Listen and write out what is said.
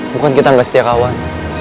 bukan kita gak setia kawan